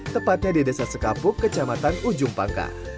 tepatnya di desa sekapuk kecamatan ujung pangkah